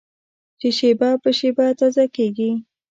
چې شېبه په شېبه تازه کېږي.